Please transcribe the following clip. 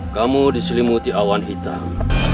kamu diselimuti awan hitam